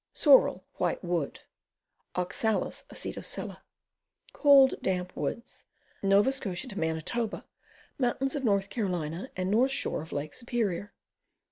Sorrel, White Wood. Oxalis Acetosella. Cold, damp woods. Nova Scotia to Manitoba, mts. of N. C, and north shore of Lake Superior.